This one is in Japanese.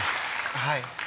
はい。